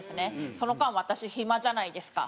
その間私暇じゃないですか。